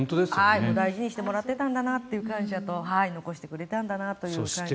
大事にしてもらってたんだなという感謝と残してくれたんだなという感謝と。